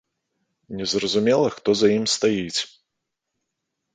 Незразумела, хто за ім стаіць.